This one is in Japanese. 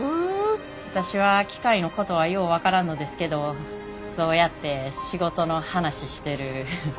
私は機械のことはよう分からんのですけどそうやって仕事の話してる夫の顔が好きで。